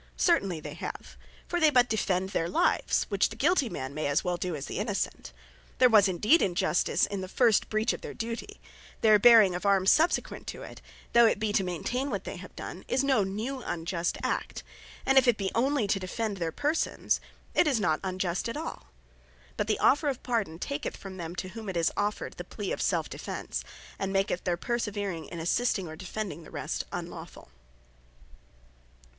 Certainly they have: For they but defend their lives, which the guilty man may as well do, as the Innocent. There was indeed injustice in the first breach of their duty; Their bearing of Arms subsequent to it, though it be to maintain what they have done, is no new unjust act. And if it be onely to defend their persons, it is not unjust at all. But the offer of Pardon taketh from them, to whom it is offered, the plea of self defence, and maketh their perseverance in assisting, or defending the rest, unlawfull.